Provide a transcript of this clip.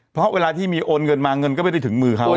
เพราะเวลาที่มีโอนเงินมาเงินก็ไม่ได้ถึงมือเขา